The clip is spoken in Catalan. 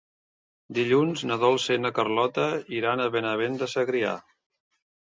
Dilluns na Dolça i na Carlota iran a Benavent de Segrià.